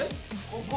ここ。